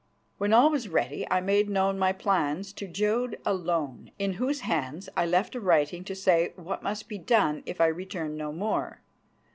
When all was ready I made known my plans to Jodd alone, in whose hands I left a writing to say what must be done if I returned no more.